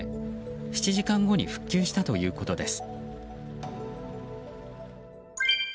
７時間後に復旧したということです。